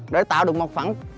để tạo được mặt phẳng